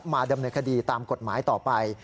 มาดำเนินคดีตามกฎหมายต่อไป